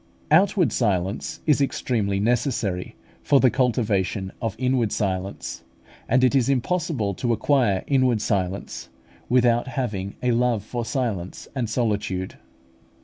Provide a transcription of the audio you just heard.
Outward silence is extremely necessary for the cultivation of inward silence, and it is impossible to acquire inward silence without having a love for silence and solitude.